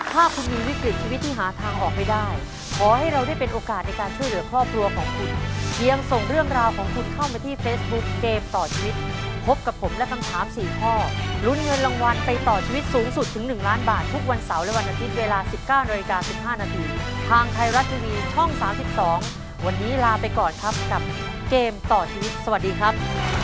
ที่ช่อง๓๒วันนี้ลาไปก่อนครับกับเกมต่อชีวิตสวัสดีครับ